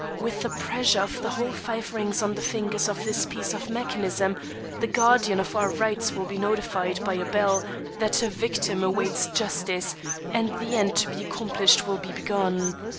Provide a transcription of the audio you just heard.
With the pressure of the whole five rings on the fingers of this piece of mechanism, the guardian of our rights will be notified by a bell, that a victim awaits justice, and the end to be accomplished will be begun.